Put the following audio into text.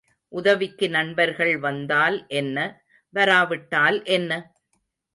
உதவிக்கு நண்பர்கள் வந்தால் என்ன, வராவிட்டால் என்ன?